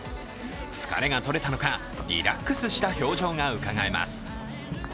疲れがとれたのか、リラックスした表情がうかがえます。